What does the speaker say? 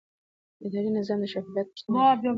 اداري نظام د شفافیت غوښتنه کوي.